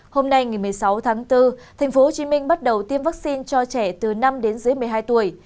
hôm nay ngày một mươi sáu tháng bốn tp hcm bắt đầu tiêm vaccine cho trẻ từ năm đến dưới một mươi hai tuổi